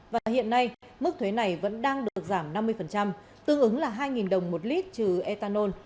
và hiện nay mức thuế này vẫn đang được giảm năm mươi tương ứng là hai đồng một lít trừ ethanol